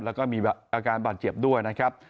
แล้วก็มีอาการบาดเจ็บด้วยนะครับ